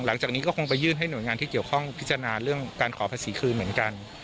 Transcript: หลังจากนี้ก็คงไปยื่นให้หน่วยงานที่เกี่ยวข้องพิจารณาเรื่องการขอภาษีคืนเหมือนกัน